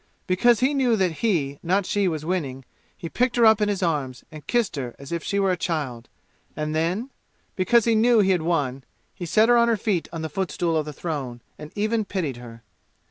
Because he knew that he, not she, was winning, he picked her up in his arms and kissed her as if she were a child. And then, because he knew he had won, he set her on her feet on the footstool of the throne, and even pitied her.